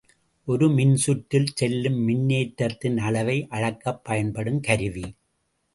ஒரு மின்சுற்றில் செல்லும் மின்னேற்றத்தின் அளவை அளக்கப் பயன்படுங் கருவி.